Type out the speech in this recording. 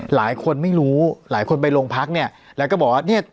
หลายคนไม่รู้หลายคนไปโรงพักเนี่ยแล้วก็บอกว่าเนี่ย